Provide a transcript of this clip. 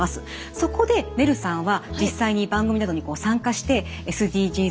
そこでねるさんは実際に番組などに参加してＳＤＧｓを勉強中なんですよね？